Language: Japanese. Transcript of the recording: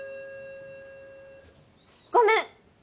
ごめん！